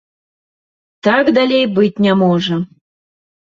Так далей быць не можа.